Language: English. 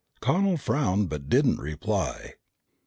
Connel frowned but didn't reply.